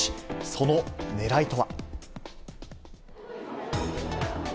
そのねらいとは。